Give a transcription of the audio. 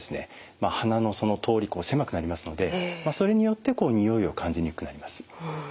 鼻の通り狭くなりますのでそれによってにおいを感じにくくなります。